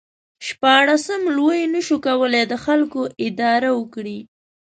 شپاړسم لویي نشو کولای د خلکو اداره وکړي.